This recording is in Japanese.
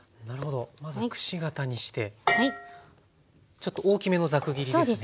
ちょっと大きめのザク切りですね。